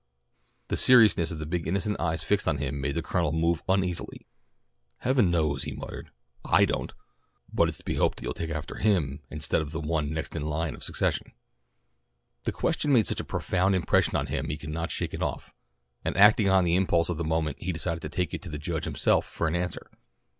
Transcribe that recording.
The seriousness of the big innocent eyes fixed on him made the Colonel move uneasily. "Heaven knows," he muttered. "I don't. But it's to be hoped you'll take after him instead of the one next in line of succession." The question made such a profound impression on him he could not shake it off, and acting on the impulse of the moment he decided to take it to the Judge himself for an answer.